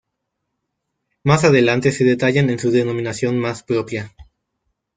Más adelante se detallan en su denominación más propia.